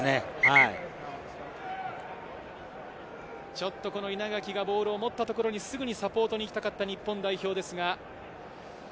ちょっと稲垣がボールを持ったところにすぐにサポートにいきたかった日本代表ですが。